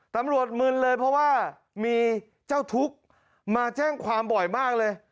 มึนเลยเพราะว่ามีเจ้าทุกข์มาแจ้งความบ่อยมากเลย